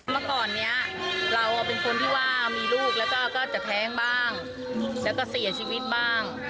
เมื่อก่อนนี้เราเป็นคนที่ว่ามีลูกแล้วก็จะแท้งบ้างแล้วก็เสียชีวิตบ้าง